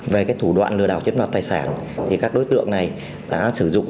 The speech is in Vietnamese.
về cái thủ đoạn lừa đảo chiếm đoạt tài sản thì các đối tượng này đã sử dụng